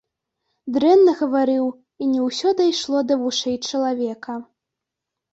Дрэнна гаварыў, і не ўсё дайшло да вушэй чалавека.